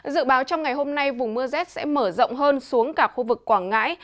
dự báo trong ngày hôm nay vùng mưa rét sẽ mở rộng hơn xuống cả khu vực quảng ngãi